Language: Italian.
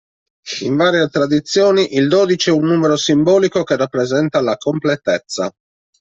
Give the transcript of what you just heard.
In varie tradizioni, il dodici è un numero simbolico che rappresenta la completezza.